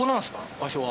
場所は。